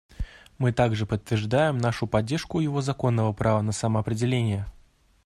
Мы также подтверждаем нашу поддержку его законного права на самоопределение.